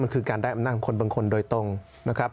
มันคือการได้อำนาจของคนบางคนโดยตรงนะครับ